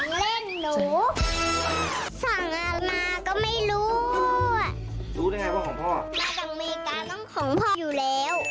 มาจากอเมริกาของพ่ออยู่แล้ว